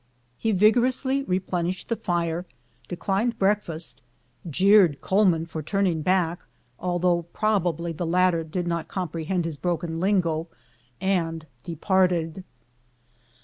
He vigorously replenished the fire, declined breakfast, jeered Coleman for turning back, although probably the latter did not comprehend his broken lingo, and departed.